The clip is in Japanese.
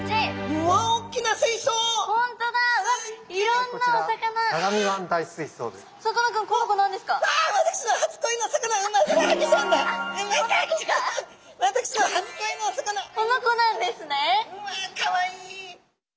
うわっかわいい！